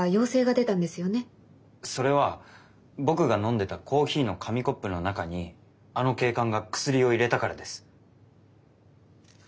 それは僕が飲んでたコーヒーの紙コップの中にあの警官がクスリを入れたからです。